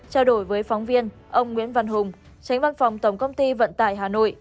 trao đổi với phóng viên ông nguyễn văn hùng tránh văn phòng tổng công ty vận tải hà nội